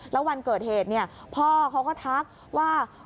แล้ววันเกิดเหตุพ่อเขาก็ทักว่า